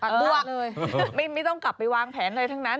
ปัดปลวกไม่ต้องกลับไปวางแผนเลยทั้งนั้น